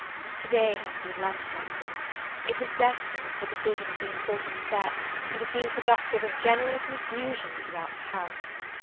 To day has been less tranquil. It was destined for the decision of the important bet, and has been productive of general confusion throughout the house.